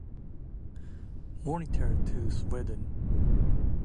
Monitor to Sweden.